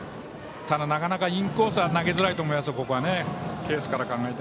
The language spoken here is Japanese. ただ、なかなかインコースは投げづらいと思います。